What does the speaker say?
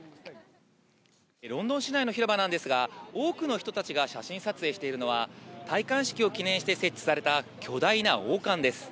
ロンドン市内の広場なんですが、多くの人たちが写真撮影しているのは、戴冠式を記念して設置